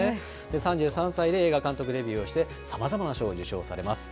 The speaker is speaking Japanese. ３３歳で映画監督デビューをして、さまざまな賞を受賞されます。